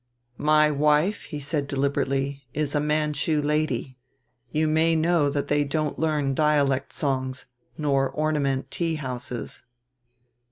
"My wife," he said deliberately, "is a Manchu lady. You may know that they don't learn dialect songs nor ornament tea houses."